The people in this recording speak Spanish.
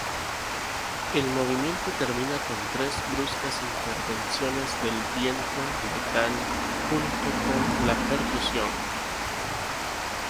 El movimiento termina con tres bruscas intervenciones del viento metal junto con la percusión.